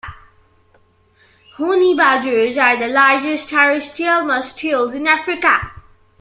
Honey badgers are the largest terrestrial mustelids in Africa.